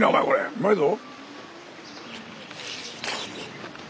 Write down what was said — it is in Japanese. うまいぞ！